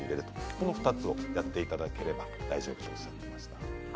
この２つをやっていただければ大丈夫とおっしゃっていました。